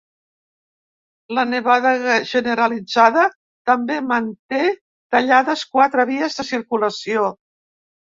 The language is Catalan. La nevada generalitzada també manté tallades quatre vies de circulació.